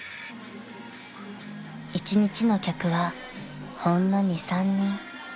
［１日の客はほんの２３人］